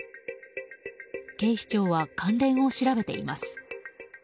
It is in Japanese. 警視庁は関連を調べています。